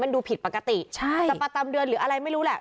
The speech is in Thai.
ดูผิดปกติใช่จะประจำเดือนหรืออะไรไม่รู้แหละ